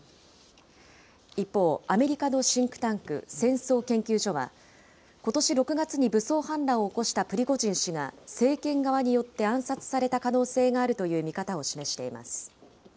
一方、アメリカのシンクタンク戦争研究所は、ことし６月に武装反乱を起こしたプリゴジン氏が、政権側によって暗殺された可能性があるという見方を示しています。